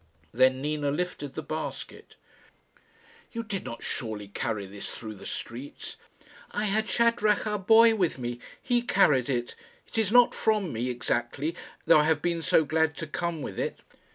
Then Nina lifted the basket. "You did not surely carry this through the streets?" "I had Shadrach, our boy, with me. He carried it. It is not from me, exactly; though I have been so glad to come with it."